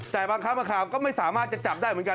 แต่บางครั้งบางคราวก็ไม่สามารถจะจับได้เหมือนกัน